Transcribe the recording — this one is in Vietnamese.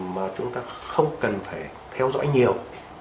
mà chúng ta không cần phải theo dõi nhiều